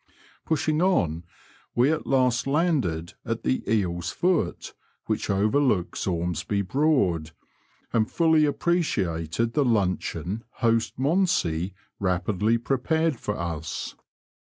Pushing on, we at last landed at the Eel's Foot, which overlooks Ormesby Broad, and fully appreciated the luncheon Host Monsey rapidly prepared for us.